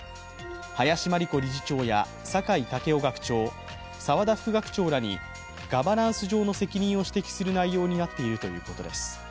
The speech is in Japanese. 林真理子理事長や酒井健夫学長、沢田副学長らにガバナンス上の責任を指摘する内容になっているということです。